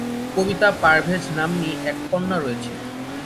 কবিতা পারভেজ নাম্নী এক কন্যা রয়েছে।